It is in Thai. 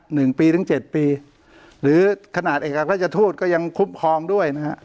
หนึ่งปีถึงเจ็ดปีหรือขนาดเอกราชทูตก็ยังคุ้มครองด้วยนะฮะ